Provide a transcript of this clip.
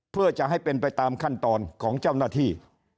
เพื่อจะให้เป็นไปตามขั้นตอนของเจ้าหน้าที่